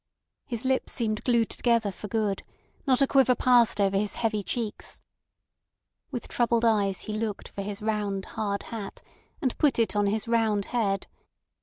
His lips seemed glued together for good; not a quiver passed over his heavy cheeks. With troubled eyes he looked for his round, hard hat, and put it on his round head.